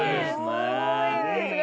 すごいですね。